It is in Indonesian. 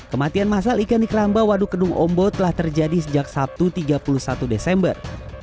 kematian masal ikan di keramba waduk kedung ombo telah terjadi sejak sabtu tiga puluh satu desember